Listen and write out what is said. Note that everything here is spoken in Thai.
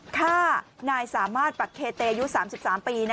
ฆ่านายสามารถปักเคเตอายุ๓๓ปี